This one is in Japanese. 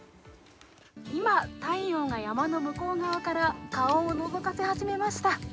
今、太陽が山の向こう側から顔をのぞかせ始めました。